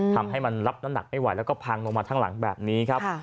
ทำให้มันรับน้ำหนักไม่ไหวแล้วก็พังลงมาข้างหลังแบบนี้ครับ